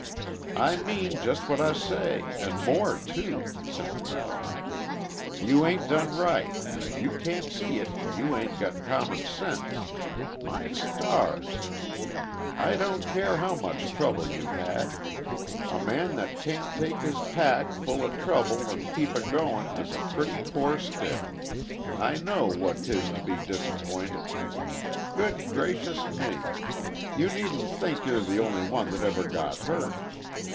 "I mean jest what I say an' more too," Sinth went on. "You 'ain't done right, an' if you can't see it you 'ain't got common sense. My stars! I don't care how much trouble you've had. A man that can't take his pack full o' trouble an' keep agoin' is a purty poor stick. I know what 'tis to be disapp'inted. Good gracious me! you needn't think you're the only one that ever got hurt.